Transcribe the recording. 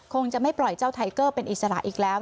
คงจะไม่ปล่อยเจ้าไทเกอร์เป็นอิสระอีกแล้ว